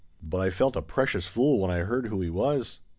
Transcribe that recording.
But I felt a precious fool when I heard who he was."